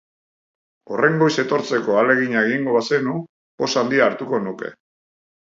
Horren goiz etortzeko ahalegina egingo bazenu, poz handia hartuko nuke.